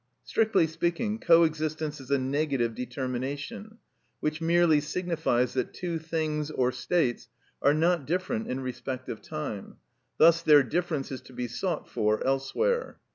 Strictly speaking, co existence is a negative determination, which merely signifies that two things or states are not different in respect of time; thus their difference is to be sought for elsewhere.